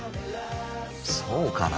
そうかな。